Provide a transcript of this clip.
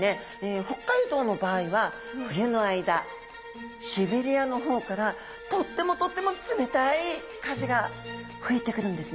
北海道の場合は冬の間シベリアの方からとってもとっても冷たい風が吹いてくるんですね。